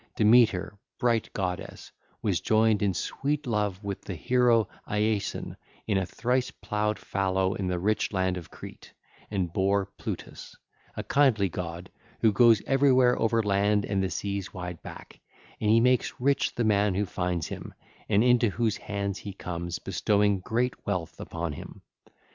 (ll. 969 974) Demeter, bright goddess, was joined in sweet love with the hero Iasion in a thrice ploughed fallow in the rich land of Crete, and bare Plutus, a kindly god who goes everywhere over land and the sea's wide back, and him who finds him and into whose hands he comes he makes rich, bestowing great wealth upon him.